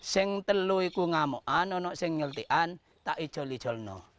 sekali itu aku ngamuk dan aku nanti nyeltikan dan aku jual jual